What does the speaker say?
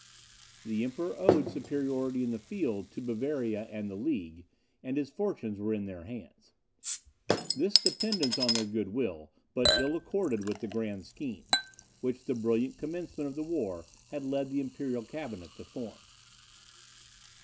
The Emperor owed superiority in the field to Bavaria and the League, and his fortunes were in their hands. This dependence on their goodwill, but ill accorded with the grand schemes, which the brilliant commencement of the war had led the imperial cabinet to form.